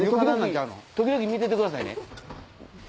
時々見といてくださいね。